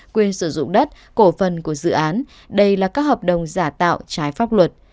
quyền sử dụng đất cổ phần của dự án đây là các hợp đồng giả tạo trái pháp luật